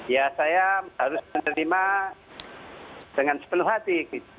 ya saya harus menerima dengan sepenuh hati